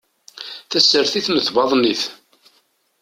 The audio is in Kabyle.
Tasertit n tbaḍnit